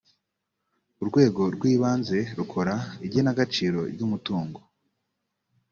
urwego rw ibanze rukora igenagaciro ry umutungo